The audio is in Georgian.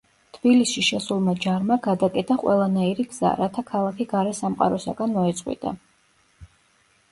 თბილისში შესულმა ჯარმა გადაკეტა ყველანაირი გზა, რათა ქალაქი გარე სამყაროსაგან მოეწყვიტა.